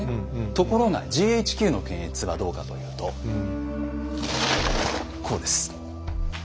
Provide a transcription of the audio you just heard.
ところがＧＨＱの検閲はどうかというとこうです。